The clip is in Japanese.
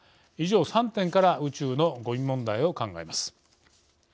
以上３点から宇宙のごみ問題を考えます。